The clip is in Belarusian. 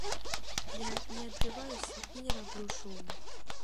Я не адбіваюся і не раблю шуму.